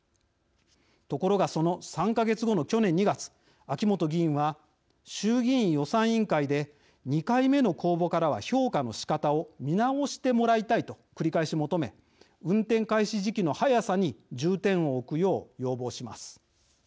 ところが、その３か月後の去年２月、秋本議員は衆議院予算委員会で「２回目の公募からは評価のしかたを見直してもらいたい」と繰り返し求め運転開始時期の早さに重点を置くよう要望します。